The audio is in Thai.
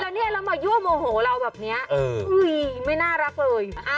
แล้วเนี่ยเรามายั่วโมโหเราแบบนี้ไม่น่ารักเลย